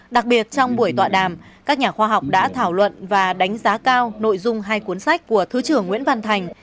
đặc biệt trong buổi tọa đàm các nhà khoa học đã thảo luận và đánh giá cao nội dung hai cuốn sách của thứ trưởng nguyễn văn thành